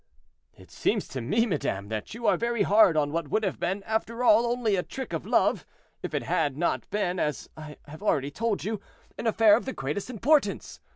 "It seems to me, madame, that you are very hard on what would have been, after all, only a trick of love, if it had not been, as I have already told you, an affair of the greatest importance.